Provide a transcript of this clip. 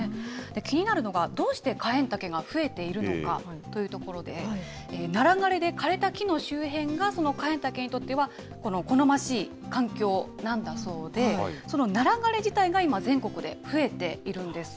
気になるのが、どうしてカエンタケが増えているのかというところで、ナラ枯れで枯れた木の周辺が、そのカエンタケにとっては好ましい環境なんだそうで、そのナラ枯れ自体が今、全国で増えているんです。